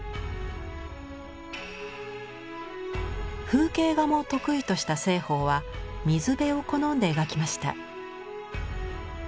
風景画も得意とした栖鳳は水辺を好んで描きました。